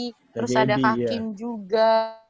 terus ada kak kim juga